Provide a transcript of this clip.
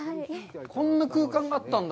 こんな空間があったんだ。